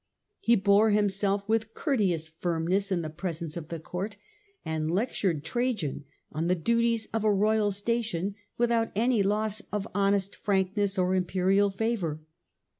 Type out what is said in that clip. He bore himself with courteous firmness in the presence of the Court, and lec tured Trajan on the duties of a royal station without any loss of honest frankness or imperial favour.